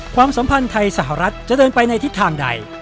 ความสัมพันธ์ไทยสหรัฐจะเดินไปในทิศทางใด